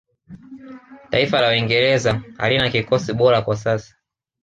taifa la uingereza halina kikosi bora kwa sasa